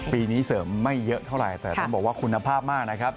ปีนี้เสริมไม่เยอะเท่าไหร่แต่ต้องบอกว่าคุณภาพมากนะครับ